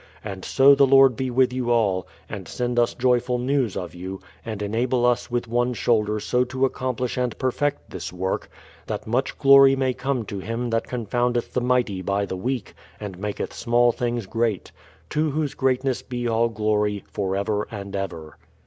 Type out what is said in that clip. And so the Lord be with you all, and send us joyful news of you, and enable us with one shoulder so to accomplish and perfect this work, that much glory may come to Him that confoundeth the mighty by the weak, and maketh small things great. To Whose greatness be all glory, for ever and ever.